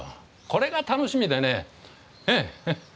これが楽しみでねええ。